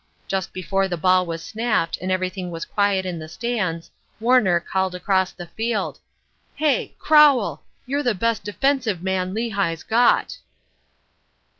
Just before the ball was snapped, and everything was quiet in the stands, Warner called across the field: "'Hey! Crowell! you're the best defensive man Lehigh's got.'"